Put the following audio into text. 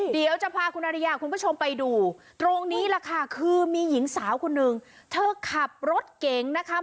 เดี๋ยวจะพาคุณอริยาคุณผู้ชมไปดูตรงนี้แหละค่ะคือมีหญิงสาวคนหนึ่งเธอขับรถเก๋งนะคะ